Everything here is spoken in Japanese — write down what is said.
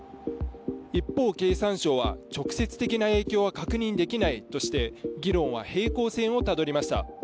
一方、経産省は直接的な影響は確認できないとして議論は平行線をたどりました。